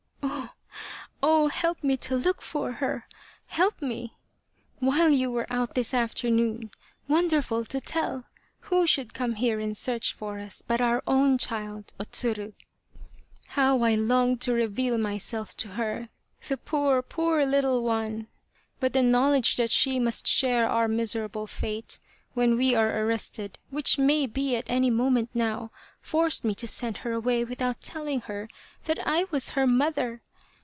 " Oh, oh ! Help me to look for her, help me ! While you were out this afternoon, wonderful to tell ! who should come here in search for us but our own child, O Tsuru. How I longed to reveal myself to her, the poor, poor little one ! But the knowledge that she must share our miserable fate when we are arrested, which may be at any moment now, forced me to send her away without telling her that I was her mother.